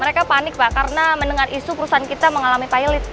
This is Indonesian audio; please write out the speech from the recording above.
mereka panik pak karena mendengar isu perusahaan kita mengalami pilot